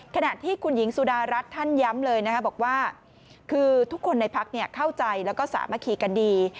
ขณะที่คุณหญิงสุดารัฐท่านย้ำเลยนะครับบอกว่าคือทุกคนในพักเข้าใจแล้วก็สามัคคีกันดี